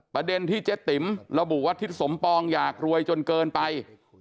ประเด็นที่เจ๊ติ๋มระบุว่าทิศสมปองอยากรวยจนเกินไป